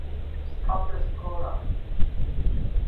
Stop the scorer